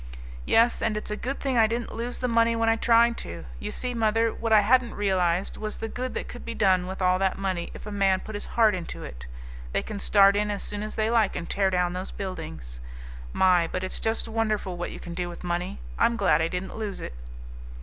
"Yes, and it's a good thing I didn't lose the money when I tried to. You see, mother, what I hadn't realized was the good that could be done with all that money if a man put his heart into it. They can start in as soon as they like and tear down those buildings. My! but it's just wonderful what you can do with money. I'm glad I didn't lose it!"